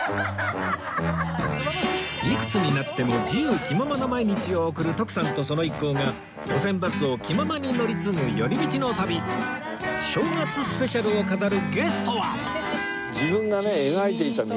いくつになっても自由気ままな毎日を送る徳さんとその一行が路線バスを気ままに乗り継ぐ寄り道の旅正月スペシャルを飾るゲストは